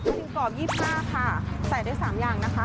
หนึ่งกรอบ๒๕ค่ะใส่ได้๓อย่างนะคะ